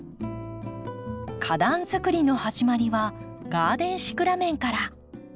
花壇づくりの始まりはガーデンシクラメンから。